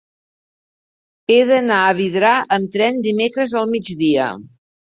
He d'anar a Vidrà amb tren dimecres al migdia.